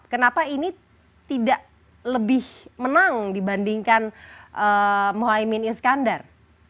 kenapa ini tidak lebih menang dibandingkan mohaimin iskandar